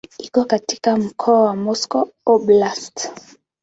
Iko katika mkoa wa Moscow Oblast.